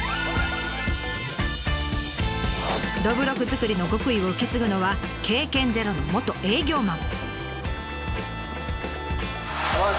どぶろく造りの極意を受け継ぐのは経験ゼロの元営業マン。